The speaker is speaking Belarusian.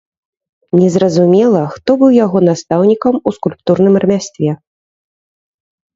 Незразумела, хто быў яго настаўнікам у скульптурным рамястве.